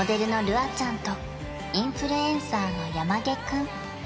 あちゃんとインフルエンサーのやまげくん